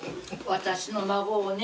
私の孫をね